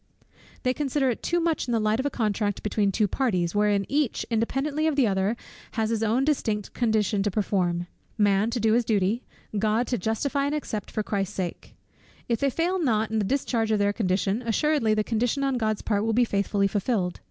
They consider it too much in the light of a contract between two parties, wherein each, independently of the other, has his own distinct condition to perform; man to do his duty; God to justify and accept for Christ's sake: If they fail not in the discharge of their condition, assuredly the condition on God's part will be faithfully fulfilled.